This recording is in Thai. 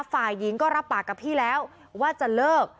ฝ่ายหญิงก็รับปากกับพี่แล้วว่าจะเลิก